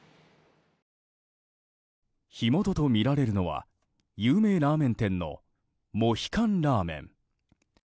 火元とみられるのは有名ラーメン店のモヒカンらーめん。